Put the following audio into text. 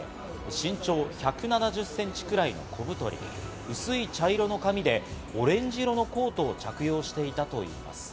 身長１７０センチくらいの小太り、薄い茶色の髪でオレンジ色のコートを着用していたといいます。